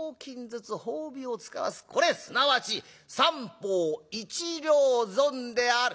これすなわち『三方一両損』である。